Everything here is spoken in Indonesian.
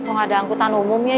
kalo gak ada angkutan umumnya